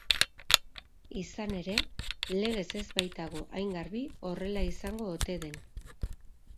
Izan ere, legez ez baitago hain garbi horrela izango ote den.